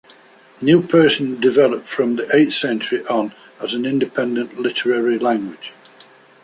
New Persian developed from the eighth century on as an independent literary language.